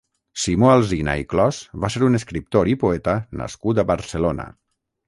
Simó Alsina i Clos va ser un escriptor i poeta nascut a Barcelona.